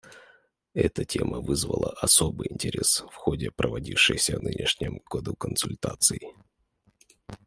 Эта тема вызвала особый интерес в ходе проводившихся в нынешнем году консультаций.